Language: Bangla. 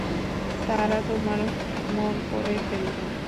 তারা তোমার মন পড়ে ফেলবে।